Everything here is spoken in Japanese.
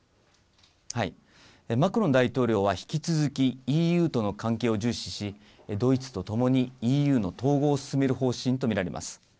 マクロン大統領は引き続きＥＵとの関係を重視し、ドイツとともにＥＵの統合を進める方針と見られます。